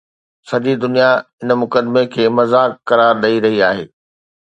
سڄي دنيا ان مقدمي کي مذاق قرار ڏئي رهي آهي.